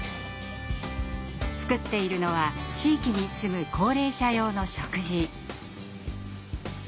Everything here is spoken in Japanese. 作っているのは地域に住む高齢者用の食事。